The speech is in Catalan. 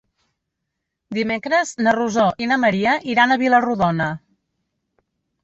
Dimecres na Rosó i na Maria iran a Vila-rodona.